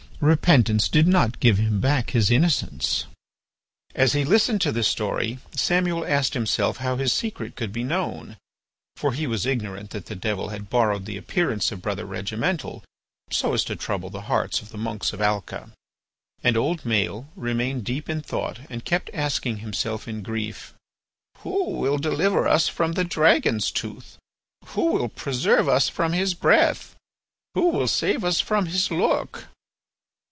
repentance did not give him back his innocence." As he listened to this story Samuel asked himself how his secret could be known, for he was ignorant that the Devil had borrowed the appearance of Brother Regimental, so as to trouble the hearts of the monks of Alca. And old Maël remained deep in thought and kept asking himself in grief: "Who will deliver us from the dragon's tooth? Who will preserve us from his breath? Who will save us from his look?"